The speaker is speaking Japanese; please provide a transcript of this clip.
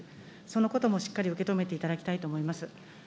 そのこともしっかり受け止めていただきたいと思います。